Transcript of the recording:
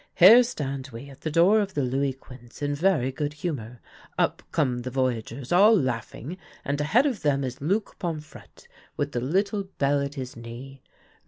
" Here stand we at the door of the Louis Ouinze in very good humour. Up come the voyageurs, all laughing, and ahead of them is Luc Pomfrctte, with the little bell at his knee.